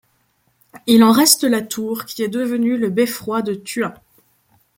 Il en reste la tour qui est devenue le beffroi de Thuin.